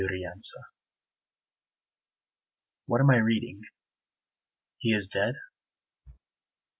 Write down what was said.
MEREDITH What am I reading? He is dead?